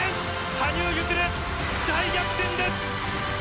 羽生結弦大逆転です！